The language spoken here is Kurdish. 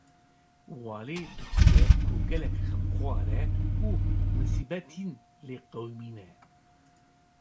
Walê dixuye ko gelek xemxwar e û misîbetin lê qewimîne.